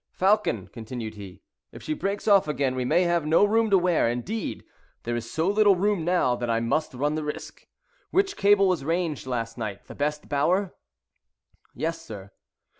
"Falcon," continued he, "if she breaks off again we may have no room to wear; indeed, there is so little room now, that I must run the risk. Which cable was ranged last night—the best bower?" "Yes, sir."